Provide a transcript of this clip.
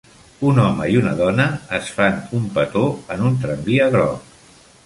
Un home i una dona es fan un petó en un tramvia groc.